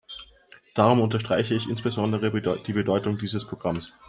Darum unterstreiche ich insbesondere die Bedeutung dieses Programms.